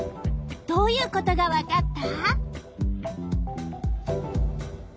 どういうことがわかった？